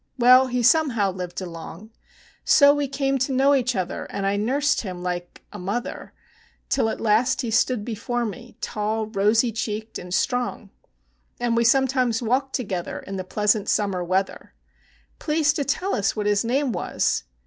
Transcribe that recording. Well, he somehow lived along; So we came to know each other, and I nursed him like a mother, Till at last he stood before me, tall, and rosy checked, and strong. And we sometimes walked together in the pleasant summer weather, "Please to tell us what his name was?"